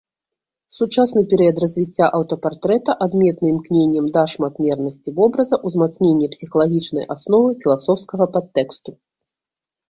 Сучасны перыяд развіцця аўтапартрэта адметны імкненнем да шматмернасці вобраза, узмацнення псіхалагічнай асновы, філасофскага падтэксту.